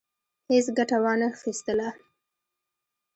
هیڅ ګټه وانه خیستله.